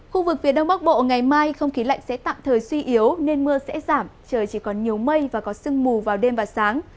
khu vực phía đông bắc bộ ngày mai không khí lạnh sẽ tạm thời suy yếu nên mưa sẽ giảm trời chỉ còn nhiều mây và có sương mù vào đêm và sáng